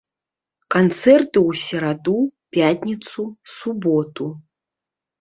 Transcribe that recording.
Канцэрты ў сераду, пятніцу, суботу.